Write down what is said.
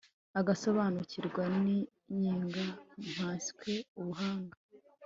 agasobanukirwa n'inyenga, nkanswe ubuhanga